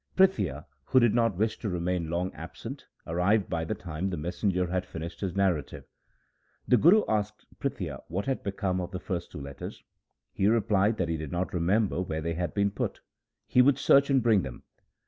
Prithia, who did not wish to remain long absent, arrived by the time the messenger had finished his narrative. The Guru asked Prithia what had become of the first two letters. He replied that he did not remember where they had been put. He would search and bring them.